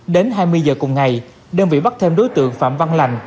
đến hai mươi giờ cùng ngày đơn vị bắt thêm đối tượng phạm văn lành